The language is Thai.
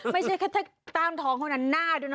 ไม่ใช่แค่ตามท้องเขาน่าหน้าด้วยนะ